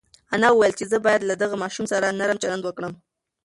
انا وویل چې زه باید له دغه ماشوم سره نرم چلند وکړم.